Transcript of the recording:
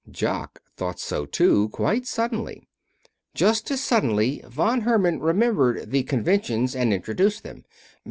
Jock thought so too, quite suddenly. Just as suddenly Von Herman remembered the conventions and introduced them.